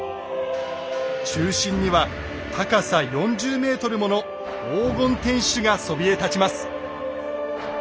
中心には高さ４０ｍもの黄金天守がそびえ立ちます。